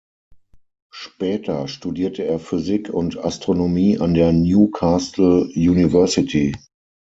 Später studierte er Physik und Astronomie an der Newcastle University.